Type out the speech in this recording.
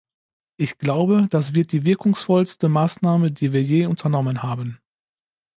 Ich glaube, das wird die wirkungsvollste Maßnahme, die wir je unternommen haben.